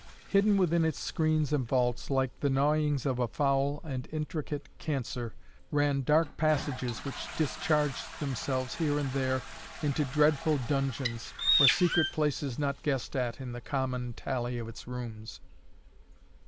Hidden within its screens and vaults, like the gnawings of a foul and intricate cancer, ran dark passages which discharged themselves here and there into dreadful dungeons, or secret places not guessed at in the common tally of its rooms.